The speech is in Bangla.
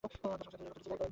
দশম গোত্রটি ছিল দান-এর।